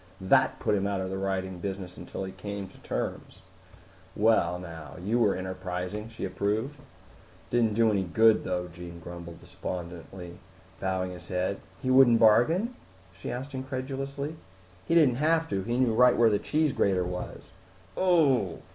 That put him out of the writing business until he came to terms." "Well, now. You were enterprising!" she approved. "It didn't do any good though," Jean grumbled despondently, bowing his head. "He wouldn't bargain?" she asked incredulously. "He didn't have to. He knew right where the cheese grater was." "Ooh!"